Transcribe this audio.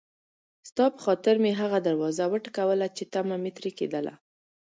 ستا په خاطر مې هغه دروازه وټکوله چې طمعه مې ترې کېدله.